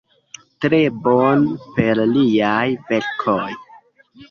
Tre bone, per liaj verkoj.